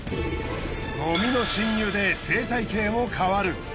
ごみの侵入で生態系も変わる。